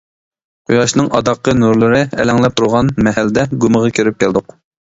قۇياشنىڭ ئاداققى نۇرلىرى ئەلەڭلەپ تۇرغان مەھەلدە گۇمىغا كىرىپ كەلدۇق.